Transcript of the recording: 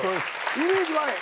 イメージ悪い。